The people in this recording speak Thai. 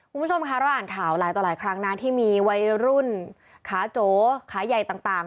คุณผู้ชมค่ะเราอ่านข่าวหลายต่อหลายครั้งนะที่มีวัยรุ่นขาโจขาใหญ่ต่าง